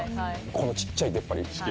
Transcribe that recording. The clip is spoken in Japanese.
この小っちゃい出っ張り。